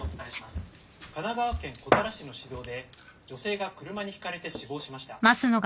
神奈川県古多良市の市道で女性が車にひかれて死亡しました。